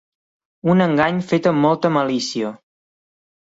Un engany fet amb molta malícia.